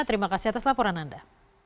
terima kasih atas laporan anda